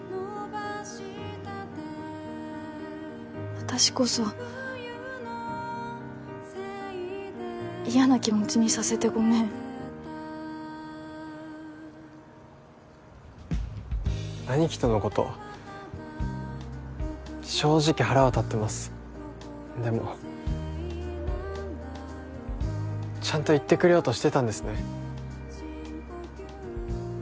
私こそ嫌な気持ちにさせてごめん兄貴とのこと正直腹は立ってますでもちゃんと言ってくれようとしてたんですね